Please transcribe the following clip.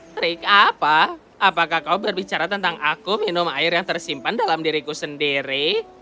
trik apa apakah kau berbicara tentang aku minum air yang tersimpan dalam diriku sendiri